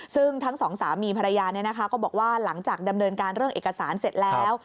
ซึ่งทั้งสองสามีภรรยาก็บอกว่าหลังจากดำเนินการเรื่องเอกสารเสร็จแล้ว